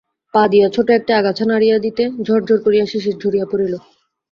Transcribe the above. পা দিয়া ছোট একটি আগাছা নাড়িয়া দিতে ঝরঝর করিয়া শিশির ঝরিয়া পড়িল।